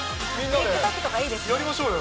ＴｉｋＴｏｋとか、いいですやりましょうよ。